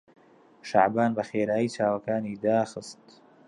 شەعبان بەخێرایی چاوەکانی داخستن.